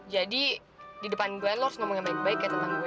jadi di depan glenn lo harus ngomong yang baik baik ya tentang gue